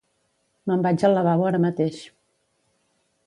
Me'n vaig al lavabo ara mateix.